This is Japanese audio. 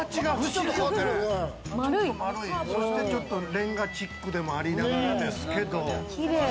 レンガチックでもありながらですけれど。